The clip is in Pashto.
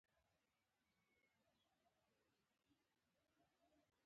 کله چې کب پرې شو نو ټام ترې ژوندی راووت.